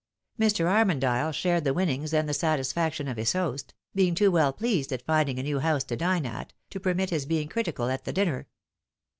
Mr. Armondyle shared the winnings and the satisfaction of his host, being too well pleased at finding a new house to dine at, to permit his being critical at the dinner.